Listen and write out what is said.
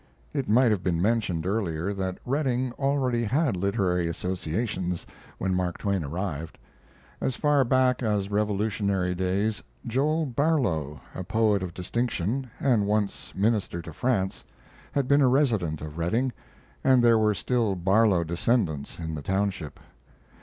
It might have been mentioned earlier that Redding already had literary associations when Mark Twain arrived. As far back as Revolutionary days Joel Barlow, a poet of distinction, and once Minister to France, had been a resident of Redding, and there were still Barlow descendants in the township.